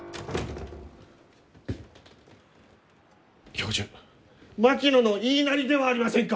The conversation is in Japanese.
教授槙野の言いなりではありませんか！？